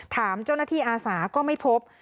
ถามเจ้าหน้าที่อาสาก็ไม่พบ